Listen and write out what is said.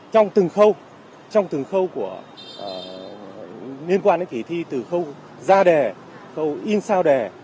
trong từng khâu trong từng khâu liên quan đến kỳ thi từ khâu ra đề khâu in sao đề